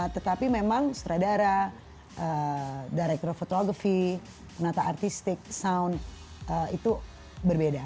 tetapi memang seterai daerah director photography penata artistik sound itu berbeda